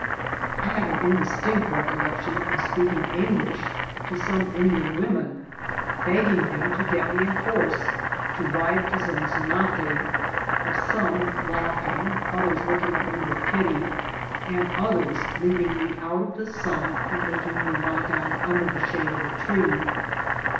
I hare an indistinct recollection of qpeak* ing English to some Indian women, begg^ing them to get me a horse to ride to Zonzonate ; of some Isnghing, others looking at me with pity, and others leading me out of the sun, and making me lie down under the shade oi a tree.